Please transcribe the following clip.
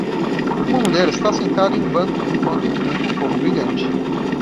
Uma mulher está sentada em um banco enquanto enfrenta um fogo brilhante.